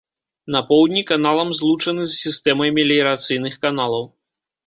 На поўдні каналам злучаны з сістэмай меліярацыйных каналаў.